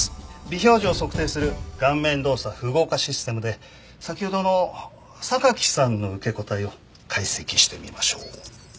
微表情を測定する顔面動作符号化システムで先ほどの榊さんの受け答えを解析してみましょう。